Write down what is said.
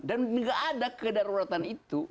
dan gak ada kedaruratan itu